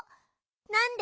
なんで？